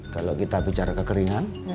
kalau kita bicara kekeringan